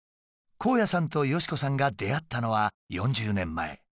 公也さんと敏子さんが出会ったのは４０年前。